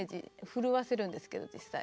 震わせるんですけど実際。